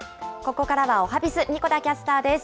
ここからはおはＢｉｚ、神子田キャスターです。